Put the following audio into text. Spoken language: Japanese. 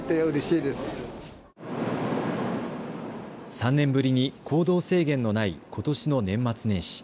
３年ぶりに行動制限のないことしの年末年始。